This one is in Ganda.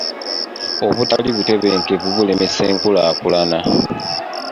Obutali butebenkevu bulemesa enkulaakulana.